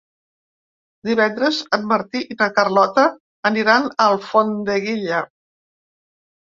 Divendres en Martí i na Carlota aniran a Alfondeguilla.